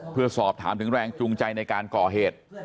เพื่อสอบถามถึงแรงจูงใจในการก่อเหตุ